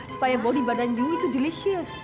supaya body badan you itu delicious